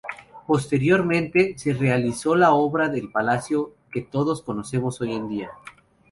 Posteriormente, se realizó la obra del palacio que todos conocemos hoy en día.